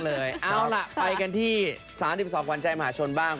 เอาล่ะไปกันที่๓๒ขวัญใจมหาชนบ้าง